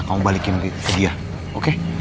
kamu balikin ke dia oke